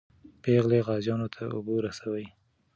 پېغلې غازیانو ته اوبه رسوي.